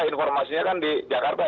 informasinya kan di jakarta